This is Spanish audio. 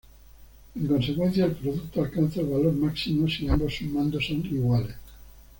En consecuencia el producto alcanza el valor máximo si ambos sumandos son iguales.